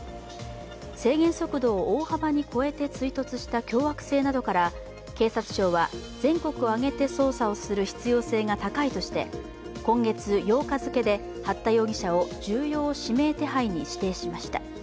制限速度を大幅に超えて追突した凶悪性などから警察庁は全国を挙げて捜査をする必要性が高いとして今月８日付けで八田容疑者を重要指名手配に指定しました。